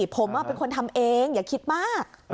ผมเป็นคนทำเองอย่าคิดมาก